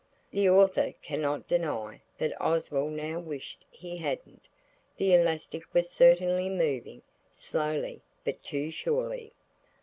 The author cannot deny that Oswald now wished he hadn't. The elastic was certainly moving, slowly, but too surely.